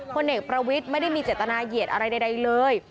พลเอกประวิทย์ไม่ได้มีเจตนาเหยียดอะไรใดเลย